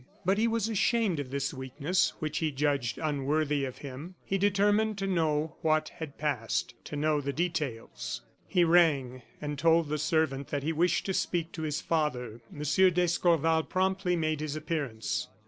But he was ashamed of this weakness, which he judged unworthy of him. He determined to know what had passed to know the details. He rang, and told the servant that he wished to speak to his father. M. d'Escorval promptly made his appearance.